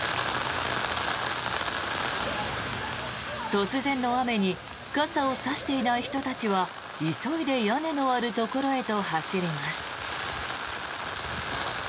突然の雨に傘を差していない人たちは急いで屋根のあるところへと走ります。